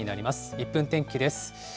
１分天気です。